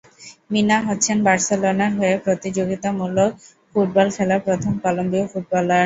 মিনা হচ্ছেন বার্সেলোনার হয়ে প্রতিযোগিতা মূলক ফুটবল খেলা প্রথম কলম্বীয় ফুটবলার।